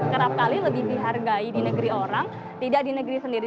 kerap kali lebih dihargai di negeri orang tidak di negeri sendiri